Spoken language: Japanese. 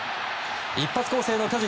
一発攻勢の巨人。